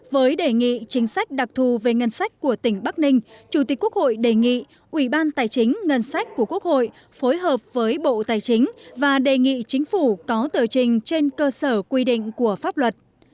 với đề nghị chính sách đặc thù về ngân sách của tỉnh bắc ninh chủ tịch quốc hội đề nghị ủy ban tài chính ngân sách của quốc hội phối hợp với bộ tài chính và đề nghị chính phủ có tờ trình trên cơ sở quy định của pháp luật